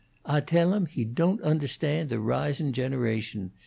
"Ah tell him he don't understand the rising generation.